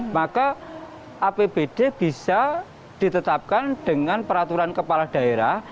maka apbd bisa ditetapkan dengan peraturan kepala daerah